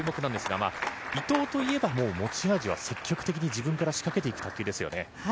伊藤といえば、持ち味は積極的に自分から仕掛けていくということですね。